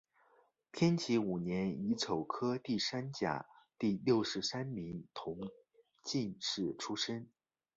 天启五年乙丑科第三甲第六十三名同进士出身。